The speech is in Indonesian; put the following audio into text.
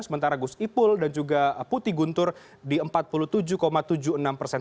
sementara gus ipul dan juga putih guntur di empat puluh tujuh tujuh puluh enam persen